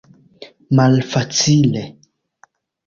Malfacile.